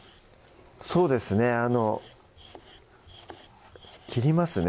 そうですねあの切りますね